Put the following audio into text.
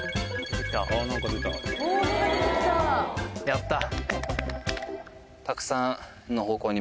やった。